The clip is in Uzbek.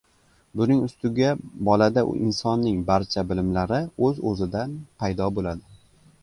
Buning ustiga bolada insonning barcha bilimlari o‘z-o‘zidan paydo bo‘ladi.